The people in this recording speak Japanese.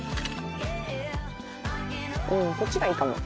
こっちがいいかも。